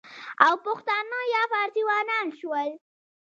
او پښتانه یا فارسیوانان شول،